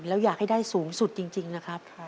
แล้วอยากให้ได้สูงสุดจริงนะครับ